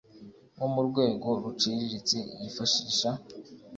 wo mu rwego ruciriritse yifashisha